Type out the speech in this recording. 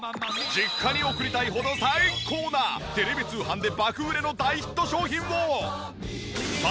実家に送りたいほど最高なテレビ通販で爆売れの大ヒット商品を。